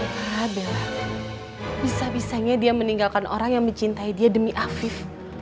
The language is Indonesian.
ya para bella bisa bisanya dia meninggalkan orang yang mencintai dia demi afif